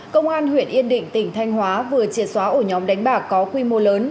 công an huyện yên định tỉnh thanh hóa vừa triệt xóa ổ nhóm đánh bạc có quy mô lớn